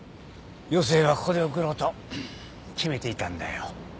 余生はここで送ろうと決めていたんだよ。